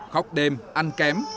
khóc đêm ăn kém